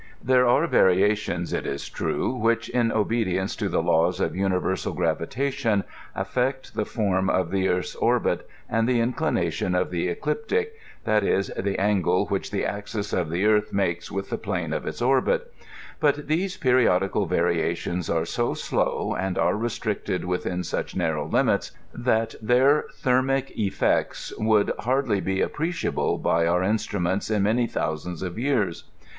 44 cesicos. Tbaver are TttiitttionB^ it ia tme^ wUk^, in obedieause to tlu laws of universal gravitatioo^ ajSeot the ferra of tfa& earth's or bit and the inclination of the ecliptic, that is» ike angle which the axis of the earth m&kea wi^ the plane of its orbit ; font these periodical TSbriaitioBB are so slow; and toe xestriotedi with in such narvow linuts> that their tbesBaic e^cto would hardly be appreciable by our instruments ia mamy thousands of years.